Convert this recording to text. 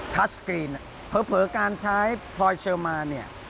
ทัชสกรีนเผิอการใช้โพลเชียร์มา